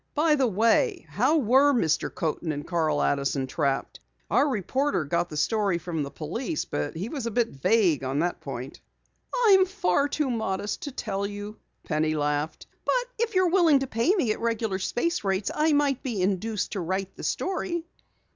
"By the way, how were Mr. Coaten and Carl Addison trapped? Our reporter got the story from the police, but he was a bit vague on that point." "I'm far too modest to tell you," Penny laughed. "If you're willing to pay me at regular space rates, I might be induced to write the story."